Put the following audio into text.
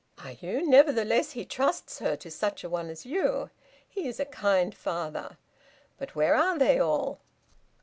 "Are you? Nevertheless he trusts her to such a one as you. He is a kind father! But where are they all?"